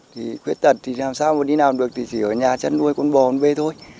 thì khuyết tật thì làm sao mà đi làm được thì chỉ ở nhà chăn nuôi con bò con bê thôi